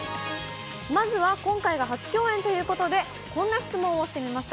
まずは今回が初共演ということで、こんな質問をしてみました。